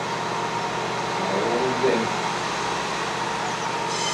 Ma wôkh nzèn.